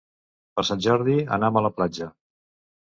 Per Sant Jordi anam a la platja.